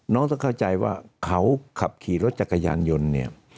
ต้องเข้าใจว่าเขาขับขี่รถจักรยานยนต์เนี่ย